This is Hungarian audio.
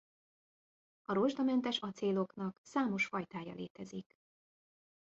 A rozsdamentes acéloknak számos fajtája létezik.